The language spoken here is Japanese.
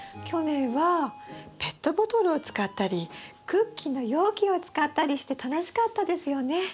去年はペットボトルを使ったりクッキーの容器を使ったりして楽しかったですよね。